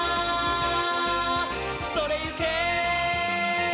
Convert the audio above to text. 「それゆけ！」